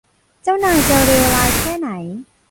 เจ้านายจะเลวร้ายแค่ไหน ?